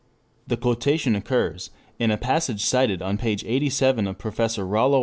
The quotation occurs in a passage cited on page 87 of Professor R. W.